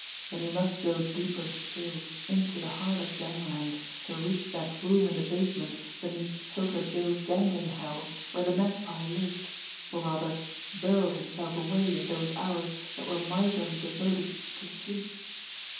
And he must go deeper still, into the heart of gangland, to reach that room in the basement beneath Poker Joe's gambling hell where the Magpie lived or, rather, burrowed himself away in those hours that were miserly devoted to sleep.